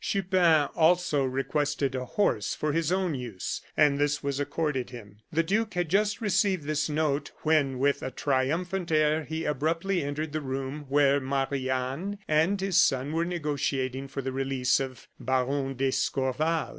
Chupin also requested a horse for his own use, and this was accorded him. The duke had just received this note when, with a triumphant air, he abruptly entered the room where Marie Anne and his son were negotiating for the release of Baron d'Escorval.